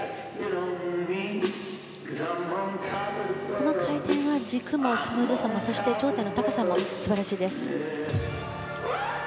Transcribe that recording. この回転が軸も脚の動作もそして頂点の高さも素晴らしいです。